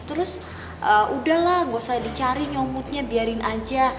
terus udahlah gak usah dicari nyomotnya biarin aja